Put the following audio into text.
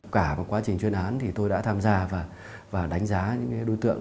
cả vào quá trình chuyên án thì tôi đã tham gia và đánh giá những đối tượng